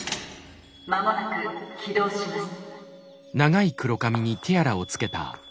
間もなく起動します」。